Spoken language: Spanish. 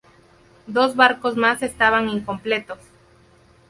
Dos barcos más estaban incompletos.